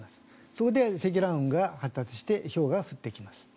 そこで積乱雲が発達してひょうが降ってきます。